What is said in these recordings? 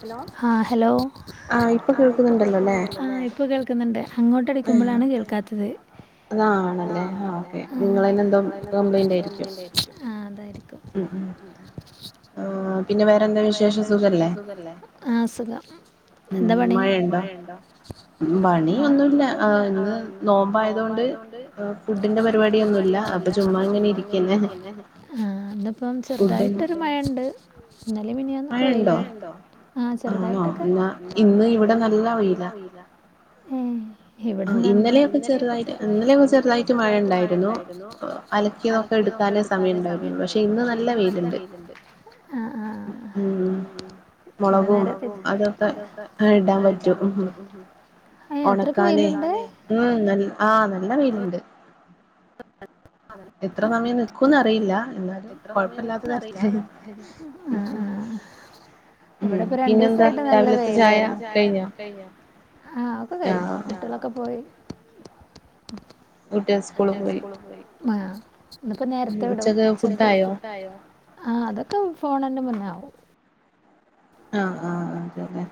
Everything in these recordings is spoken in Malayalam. ഹലോ ആഹ് ഹലോ ആഹ് ഇപ്പൊ കേൾക്കുന്നുണ്ടല്ലോ അല്ലേ ആഹ് ഇപ്പം കേൾക്കുന്നുണ്ട് അങ്ങോട്ട് എടുക്കുമ്പോഴാണ് കേൾക്കാത്തത് അതാണല്ലേ ആഹ് ഓക്കെ നിങ്ങൾടേതിന് എന്തോ കംപ്ലയിന്റ് ആയിരിക്കും ആഹ് അതായിരിക്കും ആ പിന്നെ വേറെന്താ വിശേഷം സുഖമല്ലേ സുഖമല്ലേ ആഹ് സുഖം എന്താ പണി മഴയുണ്ടോ പണിയൊന്നുമല്ല ഇന്ന് നോമ്പായതുകൊണ്ട് ഫുഡിന്റെ പരിപാടിയൊന്നുമില്ല ആഹ് അപ്പം ചുമ്മാതിങ്ങനെ ഇരിക്കതന്നേ ഇന്നിപ്പം ചെറുതായിട്ടൊരു മഴയുണ്ട് ഇന്നലേം മിനിയാന്നുമൊക്കെ വെയിലായിരുന്നു ആ ചെറുതായിട്ടൊക്കെ ഇന്ന് ഇവിടെ നല്ല വെയ്ലാ ഏ ആ ഇന്നലെയൊക്കെ ചെറുതായിട്ട് ഇന്നലെയൊക്കെ ചെറുതായിട്ട് മഴ ണ്ടായിരുന്നു അലക്കിയതൊക്കെ എട് വെക്കാനേ സമയം ഉണ്ടായിരുന്നു പക്ഷെ ഇന്ന് നല്ല വെയില്ണ്ട് ഉം മുളകും അതൊക്കെ ഇടാൻ പറ്റും ഉണ താനെ ഉം ന ആ നല്ല വെയ്ല്ണ്ട് എത്ര സമയം നിക്കൂന്ന് അറിയില്ല എന്നാലും കൊഴപ്പില്ലാത്ത തരത്തിലായി ഉം ഇവിടെ ഇപ്പോ രണ്ടു ദിവസായിട്ട് നല്ല വെയിലായിരുന്നു ആഹ് ഒക്കെ കഴഞ്ഞു കുട്ടികളൊക്കെ പോയി ഊട്ടിയ സ്കൂള് പോയി ആ് ഇന്നിപ്പോ നേരത്തെ വിടും ആ അതൊക്കെ ഫോണ തന്ന മ നൗ ആ ആ ആ അതെലേ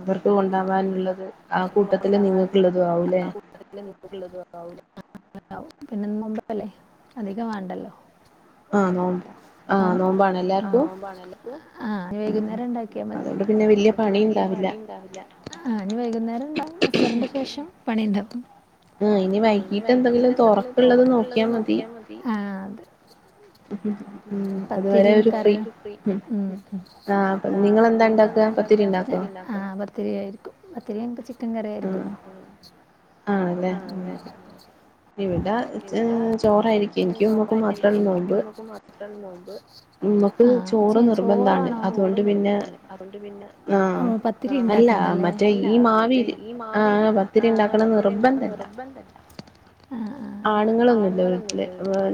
അവർക്ക് കൊണ്ടാവാനുള്ളത് [unintelligible] [unintelligible] [unintelligible] പിന്നെ നോമ്പല്ലേ അധികം വേണ്ടല്ലോ ആഹ് നോ ആ ആ വൈകുന്നേരം ഉണ്ടാക്കിയാ മതി അപ്പ പിന്നെ വല്ല്യ പണിയുണ്ടാവില്ല അനി വൈകുന്നേരം ഉണ്ടാവും അസറിന്റെ ശേഷം പണിയുണ്ടാകും അ ഇനി വൈകിട്ട് എന്തെങ്കിലും തോരക്കുള്ളത് നോക്കിയ മതി [unintelligible] പത്തിരിയും കറി ഉം ആ അ നിങ്ങളെന്താണ്ട ആഹ് പത്തിരി ആയിരിക്കും പത്തരി ചിക്കൻ കറി ആയിരിക്കും ആണല്ലേ ഇവിടാ ചോറായിരിക്കും എനിക്കും ഉമ്മക്കും മാത്രേള്ളു നോമ്പ് നോമ്പ് ആഹ് ചേച്ചോറാണോ ചോറ് നിർബദ്ധാണ് അതൊണ്ട് പിന്നെ പത്തിരി അല്ല മറ്റേ ഈ മാവിരി ആ ഭത്തിരി ഉണ്ടാക്കുന്ന നിർബന്ധല്ല ആണുങ്ങളൊന്നുല്ല വീട്ടില്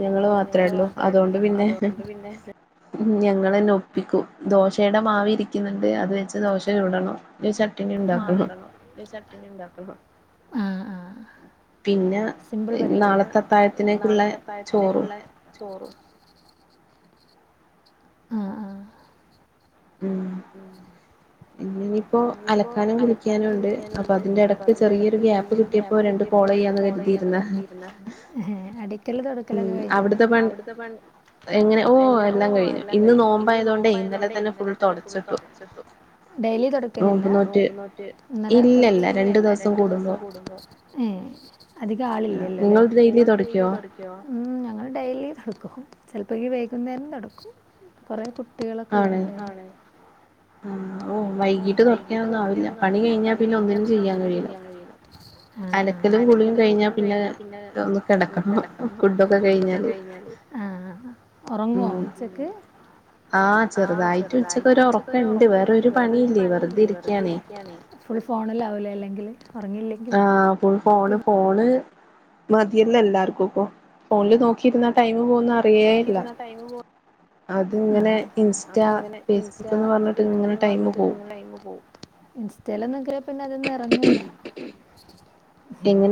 ഞങ്ങള് മാത്രേല്ലോ അതുകൊണ്ട് അതുകൊണ്ട് പിന്നെ ഞങ്ങൾന്നെ ഒപ്പിക്കും ദോശയുടെ മാവി ഇരിക്കുന്നുണ്ട് അത് വെച്ച് ദോശ ചുടണം [unintelligible] ചട്ടിനിണ്ടാക്കണം സിമ്പിൾ പരിപാടിയ നാളത്തെ അതാഴത്തിനേക്കുള്ള ചോറും ആ ആഹ് ആ ഉം ഇന്ന് ഇനിയിപ്പോ അലക്കാനോ കുളിക്കാനോ ഉണ്ട് അപ്പൊ അതിന്റെ ഇടയ്ക്ക് ചെറിയൊരു ഗ്യാപ്പ് കിട്ടിയപ്പോ രണ്ട് കോള് രണ്ട് കോള ചെയാന്ന് കരുതി ഇരുന്നാ അടിക്കലും തൊടക്കലൊക്കെ കഴിഞ്ഞോ അവിടത്തെ പ എങ്ങനെ ഓ എല്ലാം കഴിഞ്ഞു ഇന്ന് നോമ്പയതോണ്ടേ ഇന്നലെ തന്നെ ഫുൾ തൊട തൊടച്ചിട്ടു ഡൈലി തൊടക്കലില്ല നോമ്പ് നോറ്റ് ഇന്നലെ തൊടച്ച് ഇല്ലല്ല രണ്ട്ദിവസ കൂടുമ്പം ഉം അധികം ആളില്ലല്ലോ ല്ലേ അതികം ആളില്ലെ ല്ലോലേ ഞങ്ങൾ ഡെയിലി തുടക്കോ ചെിലപ്പോഈ വൈകുന്നേരം തൊടക്കും കൊറെേ കുട്ടികളൊക്കെ ഉള്ളതോണ്ട് ഉം ഓ വൈകീട്ട് തൊടക്കാനൊന്നും ആവില്ല പണി കഴിഞ്ഞാ പിന്നെ ഒന്നിനും ചെയ്യാൻ കഴില്ല അലക്കലും കുളിയും കഴിഞ്ഞാ പിന്നെ ഒമ്മു കിടക്കണം ഫുഡൊക്കെ കഴിഞ്ഞാല് ആഹ് ഉറങ്ങുവോ ഉച്ചക്ക് ആഹ് ചെറുതായിട്ട് ഉച്ഛക്ക് ച്ചക്ക ഒരു ഉറക്കംണ്ട് വേറൊരു പണിയില്ലേ വെറുതെരിക്കാന് ഫുൾ ഫോണിലാവുലേ അല്ലെങ്കിൽ ഉറങ്ങില്ലേ ആ ഫുൾ ഫോണ് ഫോണ് മതിയല്ല എല്ലാർക്കും ഇപ്പം ഫോണില് നോക്കിയിരുന്ന ടൈമ് പോകുന്നറി ഇരിന്ന ടൈമും പോ അത്ങ്ങനെ ഇൻസ്റ്റ ഫേസ്ബുക്കുന്ന് പറഞ്ഞിട്ടിങ്ങനെ ടൈമ് പോവും ഇൻസ്റ്റയിലൊന്നുകേറിയ പിന്നെ അതി നൊന്നും എറങ്ങൂല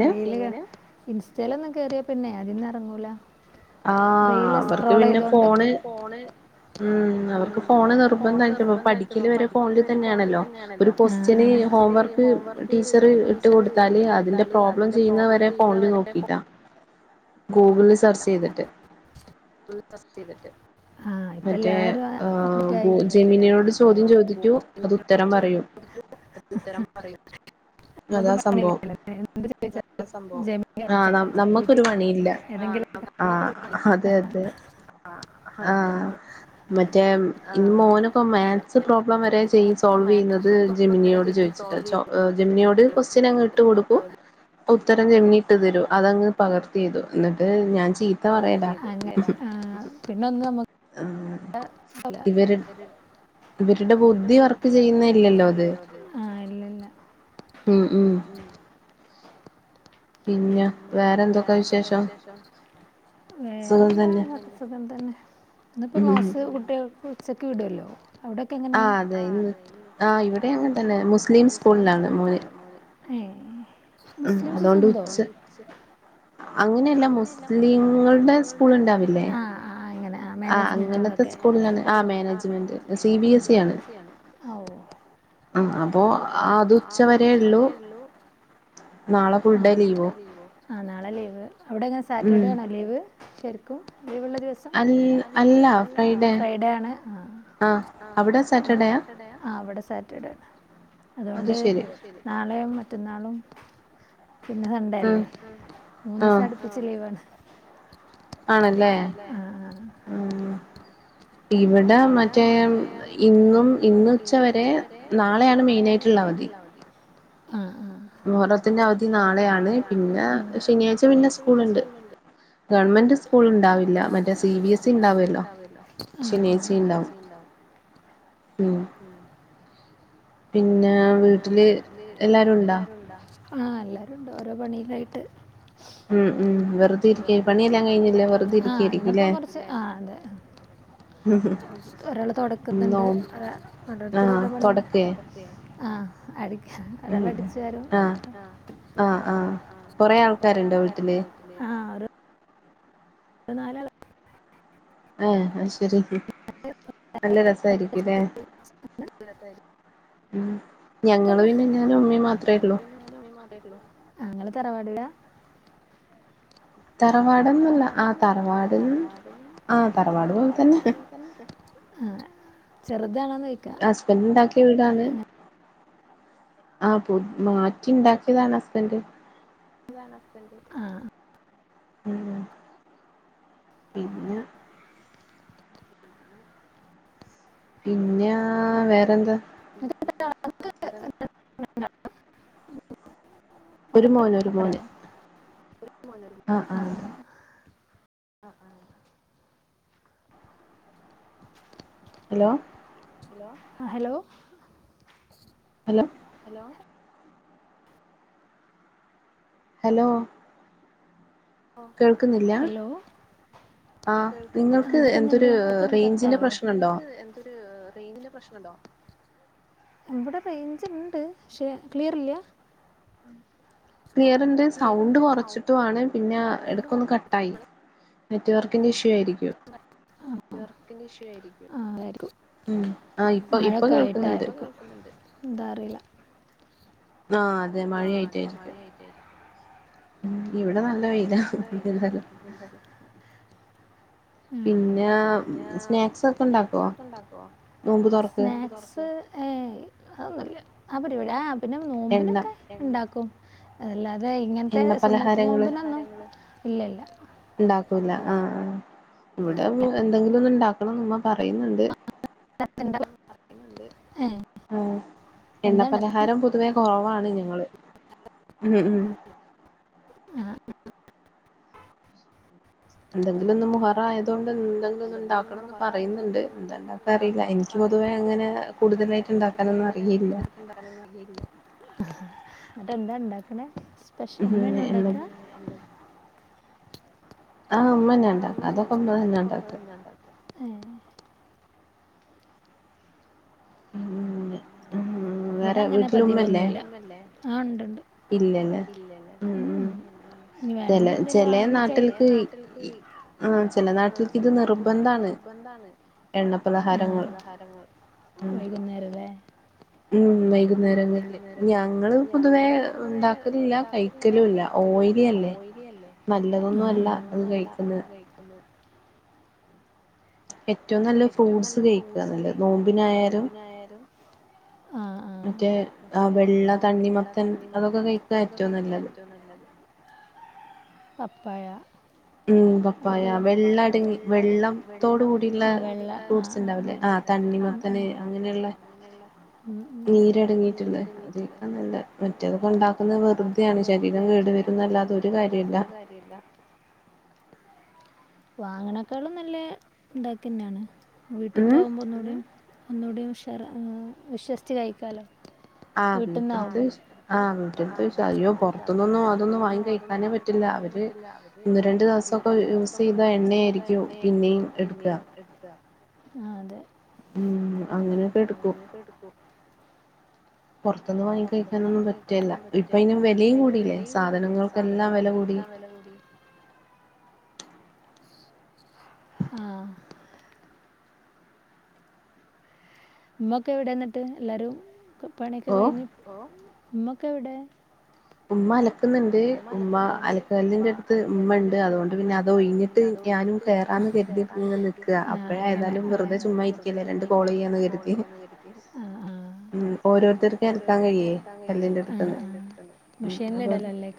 റീൽ കാണാ ഇൻസ്റ്റയിലൊന്നും കേറിയാ പിന്നെ അതീന്നെറങ്ങൂലാ റീല് സ്ക്രോളെയ്തോണ്ടെ ആഹ് അത് പിന്നെ ഫോണ് ഉം അവര്ക്ക് ഫോണ് നിർബന്ധായിട്പ്പം പഠിക്കല് വരെ ഫോണില് തന്നേണല്ലോ ഒരു ക്വസ്റ്റ്യന് ഈ ഹോംവർക്ക് ടീച്ചർ ഇട്ട് കൊടുത്താല് അതിന്റെ പ്രോബ്ലം ചെയ്യ്ന്നവരെ ഫോണ്ല് നോക്കിട്ടാ ഗൂഗിള്ല് സെർച്ചെയ്തിട്ട് [unintelligible] ആഹ് ഇപ്പല്ലാരും അ അപ്പ്മിറ്റായി മറ്റേ ആഹ് ഗൂഗിള് [unintelligible] ചോ [unintelligible] ഉത്തരം പറയും നമ്മക്ക് പറ്റ്ണല്ലല്ലോ [unintelligible] [unintelligible] സംഭവം ജമിനിയോ ചാറ്റ്ജിപിറ്റിയോ ഏതെങ്കിലൊ [unintelligible] അതെ അതെ ആഹ് മറ്റേ ഇന്ന് മോനൊക്ക മാത്സ് പ്രോബ്ലം വരെ ചെയ്യ് സോൾവെ യ്യുന്നത് ജെമിനിയോട് ചോയിച്ച്ട്ടാ ചോ ഏഹ് ജെമിനിയോട് ക്വസ്റ്റ്യനങ്ങ് ഇട്ട് കൊടുക്കും ഉത്തരം ജമിനിട്ട് തരും അതങ്ങ് പകർത്തി എഴുതും ന്ന്ട്ട് ഞാൻ പകർത്തിയെയ്തും [unintelligible] അങ്ങനെ ആഹ് പിന്നൊന്നു അമ്മ [unintelligible] ഇവര്ടെ ബുദ്ധി വർക്ക് ചെയ്യുന്നേല്ലല്ലോ അത് ആഹ് ഇല്ലല്ല ഉം ഉം പിന്നാ വേറെന്തൊക്കാ വിശേഷം വേറെന്താ ഒക്കെ സുഖം തന്നെ ഇന്ന് പ്പൊ ക്ലാസ് കുട്ട്യേൾക്ക് ഉച്ചക്ക് വിടൊല്ലോ അവടൊക്കെങ്ങനെ ആഹ് അതെ ഉം ആഹ് ഇവിടെ അങ്ങൻതന്നെ മുസ്ലിം സ്കൂളാണ് മോന് ഏഹ് ഉം അതോണ്ട് ഉച്ച അങ്ങനെയല്ല മുസ്ലിങ്ങളുടെ സ്കൂള് ഇണ്ടാവില്ലേ ആഹ് ജ്മെന്റാതൊക്കെ അങ്ങനത്തെ സ്കൂള്ലാണ് ആ management C B S E ആണ് ആഹ് ഓഹ് ആഹ് അപ്പൊ അ അത് ഉച്ചവരേ ഒള്ളു നാളെ ഫുൾ ഡേ ലീവോ? ആഹ് നാളെ ലീവ് അയുടെ എങ്ങെനെ സാറ്റർഡേ ആണോ ലീവ് ശരിക്കും? അൽ അല്ല അല്ല ഫ്രൈഡേയാണ് ആഹ് അവ്ടെ സാറ്റർഡേയാ ആ ഇവെടെ സാ സാറ്റെർഡേയാണ് അതുകൊണ്ട് നാളെയും മറ്റന്നാളും പിന്നെ സണ്ടെയല്ലേ മൂന്നീസം അട്പ്പിച്ച് ലീവാണ്. ആണ് അല്ലെ ആഹ് ആഹ് ഇവെടെ മറ്റേ ഇന്നും ഇന്ന് ഉച്ചവെരെ നാളെയാണ് മെയിനായിറ്റ് ഇള്ള അവധി മുഹറത്തിന്റെ അവധി നാളെയാണ് പിന്നെ ശെനിയാഴ്ച പിന്നെ സ്കൂൾ ഇണ്ട്. ഗവണ്മെന്റ് സ്കൂൾ ഇണ്ടാവില്ല മറ്റേ സി ബി എസ് ഇ ഇണ്ടാവെല്ലോ ശനിയാഴ്ച്ചിം ഇണ്ടാവും പിന്നെ വീട്ട്ൽ എല്ലാരും ഇണ്ടോ? ആഹ് എല്ലാരും ഇണ്ട് ഓരോ പണിയിലായിട്ട് ഉം ഉം വെറുതെ ഇരിക്ക്യ പണിയെല്ലാം കഴിഞ്ഞില്ലെ ആ ഇന്ന് ഇപ്പ കൊർച്ച് ആ അതെ ഒരാള് തൊടക്ക്ന്ന്ണ്ട് ഏഹ് ഓരോര്ത്തെര് ഓരോ പണി ആ തൊട ലെ ആഹ് അടിക്കാ ഒരാൾ അടിച്ച് വാരും ആഹ് ആഹ് ആഹ് കൊറേ ആൾക്കാരുണ്ടോ വീട്ട്ൽ ഇപ്പ നാലാൾ ഏഹ് അഹ് ശരി [unintelligible] രസായിരിക്കുംലെ ഉം തന്നെ [inaudible] ഇങ്ങൾ തറവാടിലാ തറവാടൊന്നല്ല ആ തറവാട് ആ തറവാട് പോലെ തന്നെ ചെറുതാണോ ഹസ്ബൻഡ്ണ്ടാക്ക്യ വീടാണ് ആ പു മാറ്റി ണ്ടാക്കിയതാണ് ഹസ്ബൻഡന്റ് ആ ഉം പിന്നെ പിന്നെ വേറെന്താ [inaudible] ഒരു മോന് ഒരു മോന് ആ ആ ആ ആ hello hello hello hello hello hello കേൾക്കില്ലാ നിങ്ങക്ക് എന്തേ റേഞ്ചിന്റെ പ്രശ്നണ്ടോ വിടെ റേഞ്ച് ണ്ട് പക്ഷേ ക്ലിയർല്ല ക്ലിയർണ്ട് സൗണ്ട് കൊറച്ചിട്ടു ആണ് പിന്നെ എടക്കൊന്ന് ക ട്ടായി നെറ്റ് വർക്കിന്റെ ഇഷ്യൂ ആയിരിക്കും വർക്കിന്റെ ഇശ്യൂ ആയിരിക്കും ആ മഴക്കായിട്ടായിരിക്കും എന്താ അറിയില്ല ആ അതെ മഴയായിട്ടായിരിക്കും ഇവിടെ നല്ല വെയില [unintelligible] പിന്നെ സ്നാക്സൊക്കെ ണ്ടാക്കോ സ്നാക്സ് ഏ അതൊന്നുല്ല അ പരിപാടി ആ പിന്നെ നോമ്പിനൊക്കെ ണ്ടാക്കും അതല്ലാതെ ഇങ്ങനത്തെ സുന്ന നോമ്പിനൊന്നും ഇല്ലല്ല ല ആ ആ ഇവിടെ എന്തെങ്കിലൊന്ന് ഇണ്ടാക്കണംന്ന് ഇമ്മ പറയ്ണ് ണ്ട് [inaudible] ആ എണ്ണപ്പലഹാരം പൊതുവേ കൊറവാണ് ഞങ്ങള് ഉം ഉം എന്തെങ്കിലും ഒന്ന് മുഹറായതോണ്ട് എന്തെങ്കിലുണ്ടാക്കണന്ന് പറയ്ന്ന്ണ്ട് എന്തണ്ടാക്ക അറിയില്ല എനിക്ക് പൊതുവെ അങ്ങനെ കൂടുതലായിട്ട്ണ്ട പൊതുവേ അങ്ങനെ [unintelligible] അറിയില്ല എന്താ ഉണ്ടാക്ക്ണേ സ്പെഷ്യ ഇമ്മേണോ ണ്ടാക്ക ആ മ്മന്നേ ണ്ടാക്ക അതൊക്കെ മ്മന്നെ ണ്ടാക്ക ഉം ഇവിടെ അങ്ങനെ പതിവൊന്നുല്ല ആ ണ്ട് ണ്ട് ഉം ഇനി വേണെങ്കി എന്തേലും വാങ്ങ [unintelligible] ആ ചെല നാട്ടിക്ക് ഇത് നിർബന്ധാണ് എണ്ണ പലഹാരങ്ങള് വൈകുന്നേരം ല്ലേ കുന്നേരങ്ങളില് ഞങ്ങള് പൊതുവേ ഉണ്ടാക്കലുല്ല കഴിക്കലുല്ല ഓയിലി അല്ലേന്നല്ല കഴിക്ക [inaudible] ഏറ്റവും നല്ലെ ഫ്രൂട്ട്സ് കയ്ക്കാന്നല്ലത് നോമ്പിനായാലും മറ്റേ വെള്ള തണ്ണിമത്തൻ അതൊക്കെ കഴിക്കാ ഏറ്റവും നല്ലത് പപ്പായാ അതൊക്കയാ വെള്ള വെള്ള ആ തണ്ണിമത്തന് അങ്ങനെയുള്ള നീരടങ്ങിട്ടുണ്ട് മറ്റതൊക്കെ ഉണ്ടാക്കുന്നത് വെറുതെയയാണ് ശരീരം കേടുവരുന്നല്ലാതൊ ഒരു കാര്യമില്ല ഒരു കാര്യല്ല വാങ്ങണക്കാളും നല്ല ഉണ്ടാക്കിന്നാണ് വീട്ടത്താവുമ്പോ ഒന്നുകൂടെയും ഒന്നുകൂടെയും വിശ്വസിച്ച് കഴിക്കാലോ ആഹ് വീട്ടിൽ ആഹ് വീട്ടിലത്ത് ശരിയോ പുറത്തന്നൊന്നും അതൊന്നും വാങ്ങി കഴിക്കാനേ പറ്റില്ല കഴിക്കാനെ പറ്റില്ല അവര് ഈരണ്ടു ദിവസമൊക്കെ യൂസ് ചെയ്ത എണ്ണ ആയിരിക്കും പിന്നെയും എടുക്കുക ആ അതെ അങ്ങനെയൊക്കെ എടുക്കും പുറത്തൊന്ന് വാങ്ങി കഴിക്കാനൊന്നും പറ്റുകയില്ല ഇപ്പ ഇയിന് വിലയും കൂടില്ലേ സാധനങ്ങൾക്കെല്ലാം വില കൂടി തലകടി [unintelligible] ആഹ് ഉമ്മൊക്കെ എവിടെന്നിട്ട് എല്ലാരും പണിയൊക്കെ കഴിഞ്ഞു ഓ ഉമ്മക്കെ എവിടെ ഉമ്മാ അലക്ക് ക്കുന്നുണ്ട് ഉമ്മ അലക്കല്ലിന്റെയടുത്ത് ഉമ്മ ഉണ്ട് അതുകൊണ്ട് പിന്നെ അത് ഒഴിഞ്ഞിട്ട് ഞാനും കേറാത് കരുതിന്ന് ഇങ്ങനെ നിക്കുക അപ്പോഴ ഏതായാലും വെറുതെ ചുമ്മാ ഇരിക്കല്ലേ രണ്ട് കോള് ചെയ്യന്ന് കരുതി ഉ ഓരോരുത്തർക്ക് അലക്കാൻ കഴിയേ കല്ലിന്റെ അടുത്തുന്ന് മഷീനിൽ ഇടലല്ലേ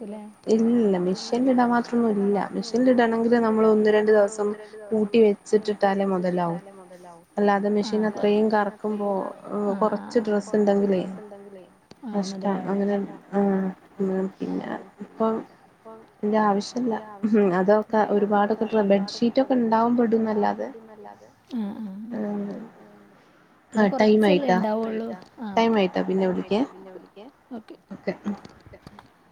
ഇല്ലില്ല മെഷീനിൽ ഇടാൻ മാത്രമൊന്നും ഇല്ല മെഷീനിൽ ഇടണെങ്കില് നമ്മൾ ഒന്ന് രണ്ടു ദിവസം കൂട്ടി വെച്ചിട്ടിട്ടാലേ മുതലാവു അല്ലാതെ മെഷീൻ അത്രയും കറക്കും ആഹ് കുറച്ച് ഡ്രസ് ഉണ്ടെങ്കിലേ നഷ്ടം അങ്ങനെ അങ്ങനെ ആ പിന്നെ ഇപ്പം അന്റെ ആവശ്യല്ല ഉ അതൊക്കെ ഒരുപാട് ഒക്കെ ബെഡ്ഷീറ്റ് ഒക്കെ ഉണ്ടാവൻപെടുന്നല്ലാതെ അല്ലാതെ ആഹ് ആഹ് [unintelligible] പിന്നെ കൊറച്ചല്ലേ ഉണ്ടാവുള്ളൂ ആ ഓക്കേ ഓക്കേ ടൈം ആയിട്ടോ പിന്നെ വിളിക്കാം ഓക്കേ [unintelligible]